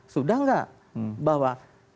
sudah nggak bahwa